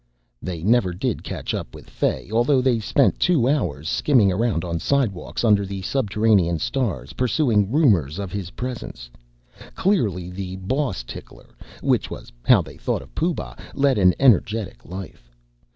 They never did catch up with Fay, although they spent two hours skimming around on slidewalks, under the subterranean stars, pursuing rumors of his presence. Clearly the boss tickler (which was how they thought of Pooh bah) led an energetic life.